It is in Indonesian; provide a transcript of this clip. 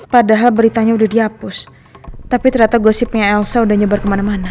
padahal beritanya udah dihapus tapi ternyata gosipnya elsa udah nyebar kemana mana